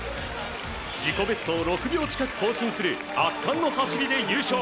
自己ベストを６秒近く更新する圧巻の走りで優勝。